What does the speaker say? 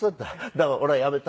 だから俺はやめた。